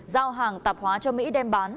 giao hàng tạp hóa cho mỹ đem bán